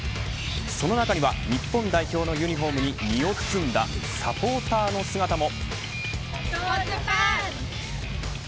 その中には日本代表のユニホームに身を包んだサポーターの姿も。